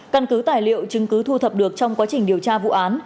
căn cứ tài liệu chứng cứ thu thập được trong quá trình điều tra vụ án